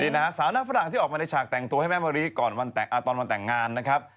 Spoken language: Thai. นี่นะฮะสาวหน้าฝรั่งที่ออกมาในฉากแต่งตัวให้แม่มะริก่อนตอนวันแต่งงานนะครับ